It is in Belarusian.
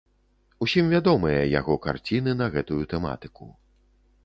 Усім вядомыя яго карціны на гэтую тэматыку.